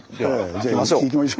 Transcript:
じゃあ行きましょう。